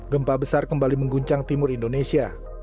gempa besar kembali mengguncang timur indonesia